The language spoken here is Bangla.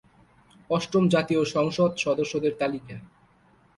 অষ্টম জাতীয় সংসদ সদস্যদের তালিকা